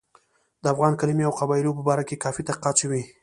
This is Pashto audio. د افغان کلمې او قبایلو په باره کې کافي تحقیقات شوي.